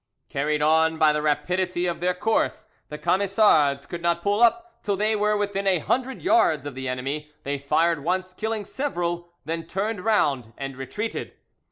Carried on by the rapidity of their course, the Camisards could not pull up till they were within a hundred yards of the enemy; they fired once, killing several, then turned round and retreated.